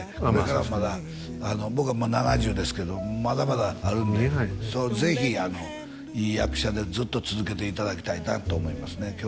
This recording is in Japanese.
これからまだ僕は７０ですけどまだまだあるんでぜひあの見えないねいい役者でずっと続けていただきたいなと思いますね